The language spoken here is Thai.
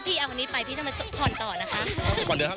พี่กว่าเดือนเท่าแหละ